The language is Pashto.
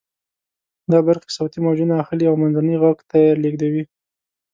دا برخې صوتی موجونه اخلي او منځني غوږ ته لیږدوي.